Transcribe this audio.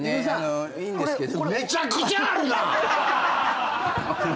めちゃくちゃあるな！